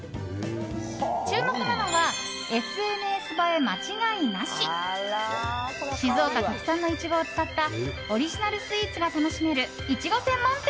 注目なのはＳＮＳ映え間違いなし静岡特産のイチゴを使ったオリジナルスイーツが楽しめる